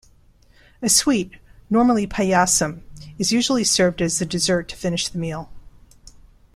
A sweet, normally "Paayasam" is usually served as a dessert to finish the meal.